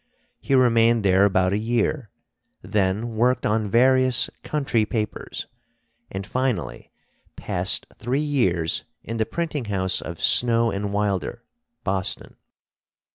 He remained there about a year, then worked on various country papers, and finally passed three years in the printing house of Snow and Wilder, Boston.